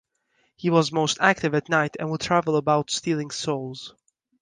He was most active at night and would travel about stealing souls.